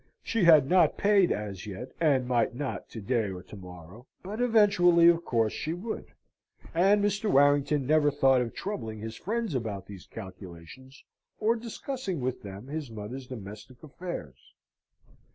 She had not paid as yet, and might not to day or to morrow, but eventually, of course, she would: and Mr. Warrington never thought of troubling his friends about these calculations, or discussing with them his mother's domestic affairs.